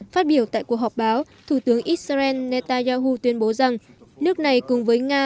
phát biểu tại cuộc họp báo thủ tướng israel netanyahu tuyên bố rằng nước này cùng với nga